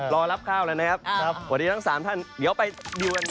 รอรับข้าวแล้วนะครับวันนี้ทั้งสามท่านเดี๋ยวไปดูกัน